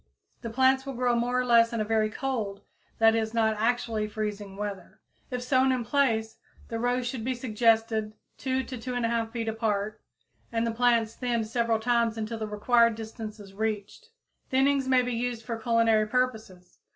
The plants will grow more or less in very cold, that is, not actually freezing weather. If sown in place, the rows should be the suggested 2 to 2 1/2 feet apart, and the plants thinned several times until the required distance is reached. Thinnings may be used for culinary purposes.